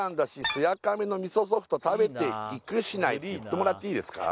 「すや亀のみそソフト食べて行くしない！」って言ってもらっていいですか？